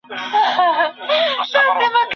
کښته پسي ځه د زړه له تله یې را و باسه